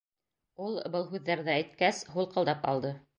Ул, был һүҙҙәрҙе әйткәс, һулҡылдап алды.